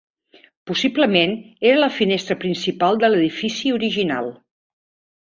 Possiblement era la finestra principal de l’edifici original.